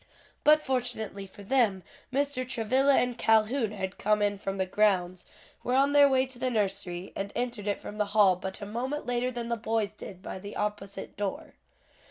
But fortunately for them, Mr. Travilla and Calhoun had come in from the grounds, were on their way to the nursery, and entered it from the hall but a moment later than the boys did by the opposite door.